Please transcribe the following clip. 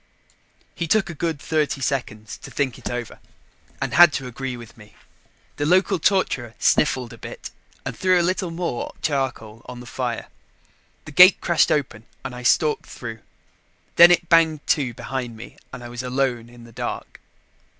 He took a good thirty seconds to think it over and had to agree with me. The local torturer sniffled a bit and threw a little more charcoal on the fire. The gate crashed open and I stalked through; then it banged to behind me and I was alone in the dark.